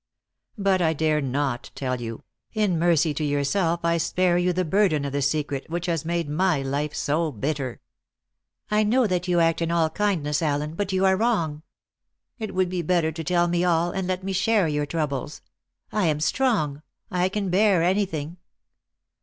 But I dare not tell you; in mercy to yourself I spare you the burden of the secret which has made my life so bitter." "I know that you act in all kindness, Allen, but you are wrong. It would be better to tell me all, and let me share your troubles. I am strong; I can bear anything."